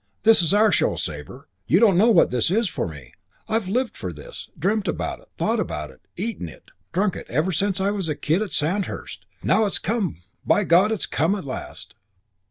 This is our show. Sabre, you don't know what this is for me. I've lived for this, dreamt about it, thought about it, eaten it, drunk it ever since I was a kid at Sandhurst. Now it's come. By God, it's come at last!"